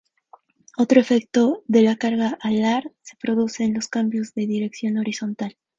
Otro efecto de la carga alar se produce en los cambios de dirección horizontal.